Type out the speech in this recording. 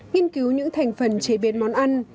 nghiên cứu những thành phần chế biến món ăn